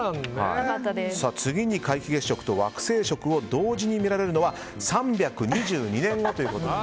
次に皆既月食と惑星食を同時に見られるのは３２２年後ということで。